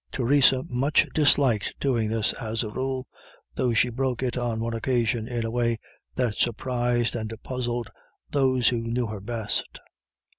Theresa much disliked doing this, as a rule, though she broke it on one occasion in a way that surprised and puzzled those who knew her best.